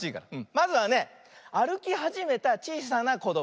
まずはねあるきはじめたちいさなこども。